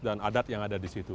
dan adat yang ada di situ